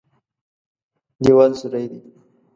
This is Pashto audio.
دېوال سوری دی.